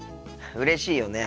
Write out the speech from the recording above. うれしいよね。